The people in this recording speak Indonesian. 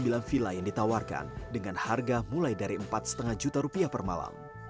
sembilan villa yang ditawarkan dengan harga mulai dari empat lima juta rupiah per malam